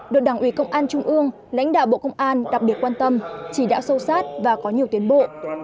được đảng ủy công an trung ương lãnh đạo bộ công an đặc biệt quan tâm chỉ đạo sâu sát và có nhiều tiến bộ